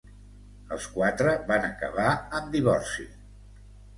Els quatre van acabar en divorci.